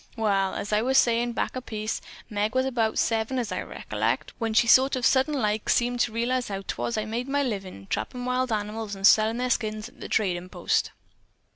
Wall, as I was sayin' back a piece, Meg was about seven as I recollect, when she sort of sudden like seemed to realize how 'twas I made my livin', trappin' wild animals and sellin' their skins at the tradin' post.